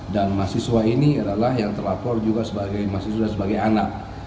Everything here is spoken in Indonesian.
dan mahasiswa ini adalah yang terlapor juga sebagai mahasiswa dan sebagai anak